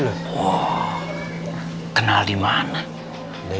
wah kenal dimana